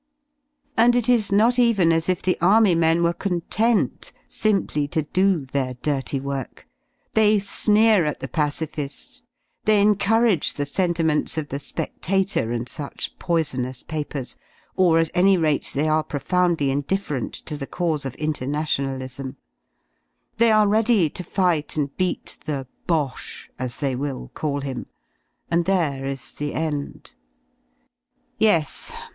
And it is not even as if the Army men were content simplv to do their dirty work: they sneer at the pacific, 58 ) they encourage the sentiments of the Spedator and such poisonous papers, or, at any rate, they are profoundly , indifferent to the cause of Internationalism; they are ready x to fighr and beat the Boche (as they will call him), and there is the end. Yes